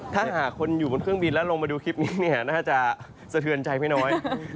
ถ้าหากคนอยู่บนเครื่องบินแล้วลงมาดูคลิปนี้เนี่ยน่าจะสะเทือนใจไม่น้อย